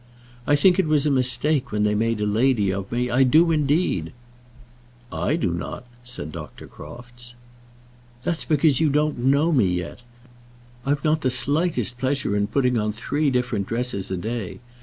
I think it was a mistake when they made a lady of me. I do, indeed." "I do not," said Dr. Crofts. "That's because you don't quite know me yet. I've not the slightest pleasure in putting on three different dresses a day.